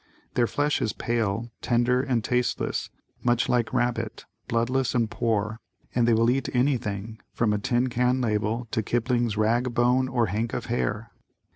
Their flesh is pale, tender and tasteless much like rabbit, bloodless and poor, and they will eat anything from a tin can label to Kipling's "Rag, Bone or Hank of Hair."